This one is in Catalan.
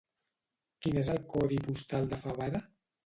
Quin és el codi postal de Favara?